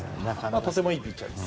とてもいいピッチャーです。